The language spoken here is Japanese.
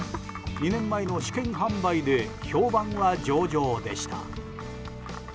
２年前の試験販売で評判は上々でした。